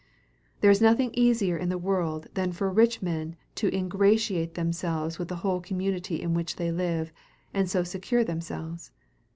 There is nothing easier in the world than for rich men to ingratiate themselves with the whole community in which they live, and so secure themselves.